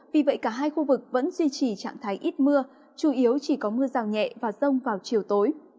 vì vậy cả hai khu vực vẫn duy trì trạng thái ít mưa chủ yếu chỉ có mưa rào nhẹ và rông vào chiều tối